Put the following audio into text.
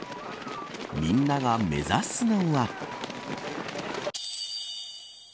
みんなが目指すのは。